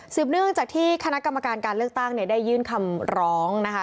เนื่องจากที่คณะกรรมการการเลือกตั้งเนี่ยได้ยื่นคำร้องนะคะ